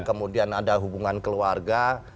kemudian ada hubungan keluarga